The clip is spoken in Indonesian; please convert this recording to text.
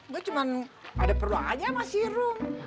gue cuma ada perluannya sama sirung